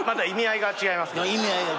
意味合いが違いますけど。